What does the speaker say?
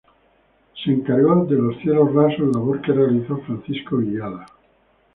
Se encargó de los cielos rasos, labor que realizó Francisco Villada.